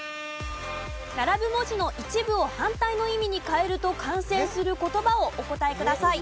並ぶ文字の一部を反対の意味に変えると完成する言葉をお答えください。